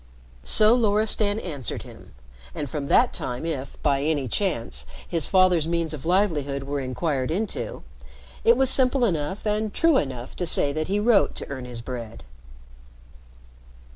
So Loristan answered him, and from that time if, by any chance, his father's means of livelihood were inquired into, it was simple enough and true enough to say that he wrote to earn his bread.